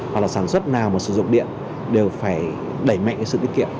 hoặc là sản xuất nào mà sử dụng điện đều phải đẩy mạnh cái sự tiết kiệm